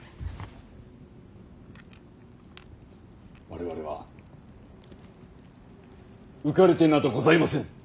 我々は浮かれてなどございませぬ。